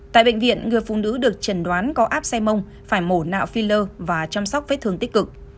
tại bệnh viện người phụ nữ được trần đoán có áp xe mông phải mổ nạo filler và chăm sóc với thường tích cực